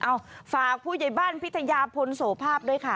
เอาฝากผู้ใหญ่บ้านพิทยาพลโสภาพด้วยค่ะ